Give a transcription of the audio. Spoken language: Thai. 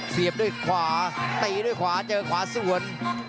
เสียบด้วยขวาตีด้วยขวาเจอขวาส่วน